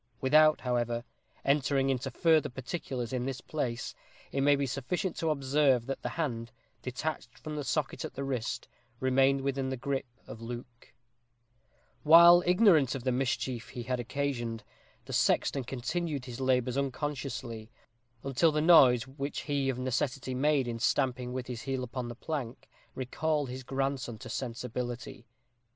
Without, however, entering into further particulars in this place, it may be sufficient to observe that the hand, detached from the socket at the wrist, remained within the gripe of Luke; while, ignorant of the mischief he had occasioned, the sexton continued his labors unconsciously, until the noise which he of necessity made in stamping with his heel upon the plank, recalled his grandson to sensibility.